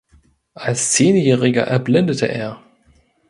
Als Zehnjähriger erblindete er.